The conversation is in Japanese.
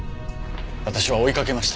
私は追いかけました。